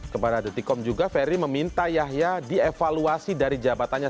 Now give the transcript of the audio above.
kepada detikkom juga ferry meminta yahya dievaluasi dari jadwalnya